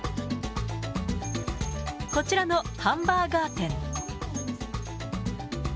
こちらのハンバーガー店。